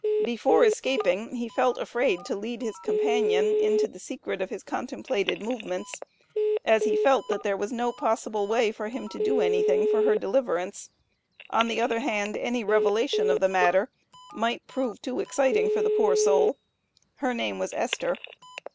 Before escaping, he felt afraid to lead his companion into the secret of his contemplated movements, as he felt, that there was no possible way for him to do anything for her deliverance; on the other hand, any revelation of the matter might prove too exciting for the poor soul; her name was Esther.